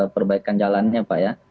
perbaikan jalannya pak ya